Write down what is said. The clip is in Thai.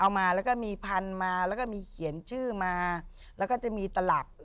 มาแล้วก็มีพันธุ์มาแล้วก็มีเขียนชื่อมาแล้วก็จะมีตลับ